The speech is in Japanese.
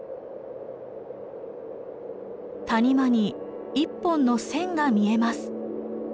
谷間に一本の線が見えます。